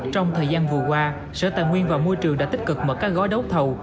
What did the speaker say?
trong thời gian vừa qua sở tài nguyên và môi trường đã tích cực mở các gói đấu thầu